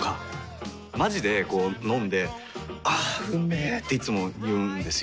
まじでこう飲んで「あーうんめ」っていつも言うんですよ。